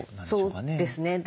そうですね。